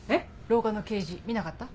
廊下の掲示見なかった？